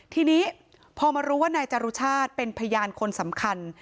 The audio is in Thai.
ทีนี้พอมารู้ว่านายจรุชาติเป็นพยานคนสำคัญ